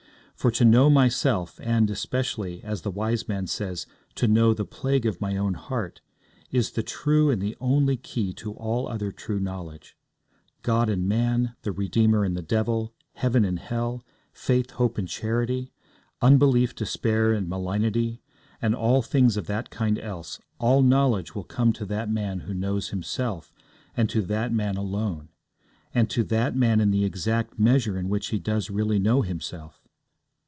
For to know myself, and especially, as the wise man says, to know the plague of my own heart, is the true and the only key to all other true knowledge: God and man; the Redeemer and the devil; heaven and hell; faith, hope, and charity; unbelief, despair, and malignity, and all things of that kind else, all knowledge will come to that man who knows himself, and to that man alone, and to that man in the exact measure in which he does really know himself.